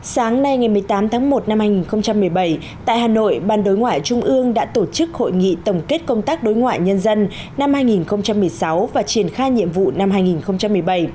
sáng nay ngày một mươi tám tháng một năm hai nghìn một mươi bảy tại hà nội ban đối ngoại trung ương đã tổ chức hội nghị tổng kết công tác đối ngoại nhân dân năm hai nghìn một mươi sáu và triển khai nhiệm vụ năm hai nghìn một mươi bảy